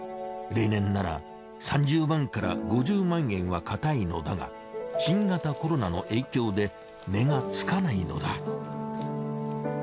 例年なら３０万５０万円はかたいのだが新型コロナの影響で値がつかないのだ。